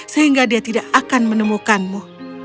sehingga dia tidak akan menemukanmu